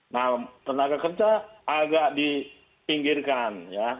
nah tenaga kerja agak dipinggirkan ya